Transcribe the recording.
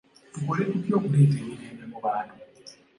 Tukole tutya okuleeta emirembe mu bantu?